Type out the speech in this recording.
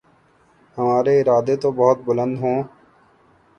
ہمارے ارادے تو بہت بلند ہوں۔